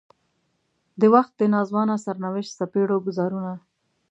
د وخت د ناځوانه سرنوشت څپېړو ګوزارونه.